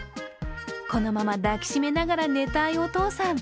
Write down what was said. このまま抱き締めながら寝たいお父さん。